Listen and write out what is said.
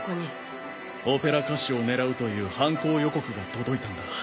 オペラ歌手を狙うという犯行予告が届いたんだ。